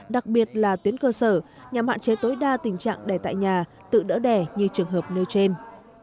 đặc biệt là tuyến cơ sở nhằm hạn chế tối đa tình trạng đẻ tại nhà tự đỡ đẻ như trường hợp nêu trên